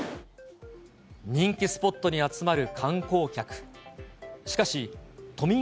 人気スポットに集まる観光客。